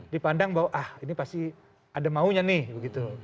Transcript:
dipandang bahwa ah ini pasti ada maunya nih begitu